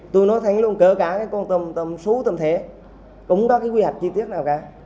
tôi nói thẳng luôn cỡ cả con tôm xú tôm thế cũng không có quy hoạch chi tiết nào cả